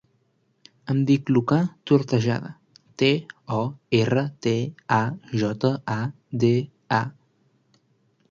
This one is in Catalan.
Em dic Lucà Tortajada: te, o, erra, te, a, jota, a, de, a.